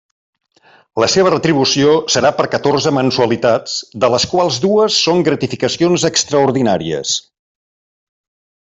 La seva retribució serà per catorze mensualitats, de les quals dues són gratificacions extraordinàries.